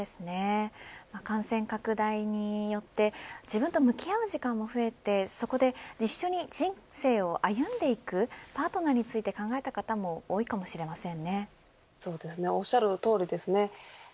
感染拡大によって自分と向き合う時間も増えてそこで一緒に人生を歩んでいくパートナーについて考えた方も多いかもしれませんおっしゃる通りです。